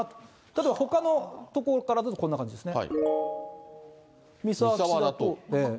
例えばほかの所からだとここから出るとこんな感じですね。